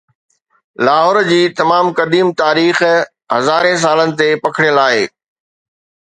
لاهور جي تمام قديم تاريخ هزارين سالن تي پکڙيل آهي